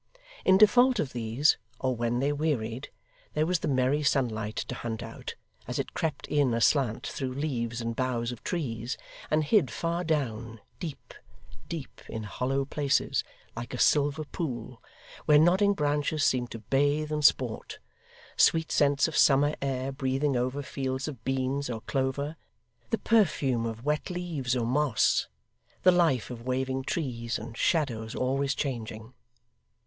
In default of these, or when they wearied, there was the merry sunlight to hunt out, as it crept in aslant through leaves and boughs of trees, and hid far down deep, deep, in hollow places like a silver pool, where nodding branches seemed to bathe and sport; sweet scents of summer air breathing over fields of beans or clover; the perfume of wet leaves or moss; the life of waving trees, and shadows always changing.